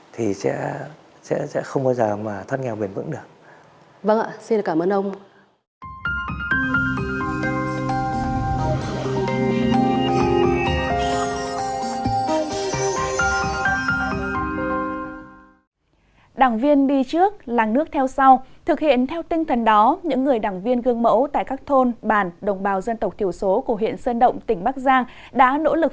thì sẽ không bao giờ mà thoát nghèo bền vững được